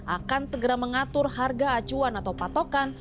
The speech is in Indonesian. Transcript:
akan segera mengatur harga acuan atau patokan